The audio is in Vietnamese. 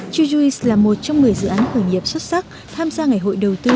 chujuice là một trong một mươi dự án khởi nghiệp xuất sắc tham gia ngày hội đầu tư